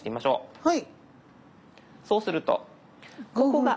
はい。